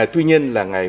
tuy nhiên là ngày